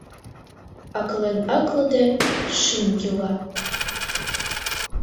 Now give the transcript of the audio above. Аклен-аклыде, шӱм йӱла.